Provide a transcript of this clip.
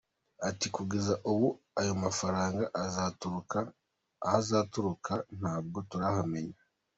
Ati “Kugeza ubu aho amafaranga azaturuka ntabwo turahamenya